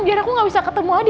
biar aku gak bisa ketemu aja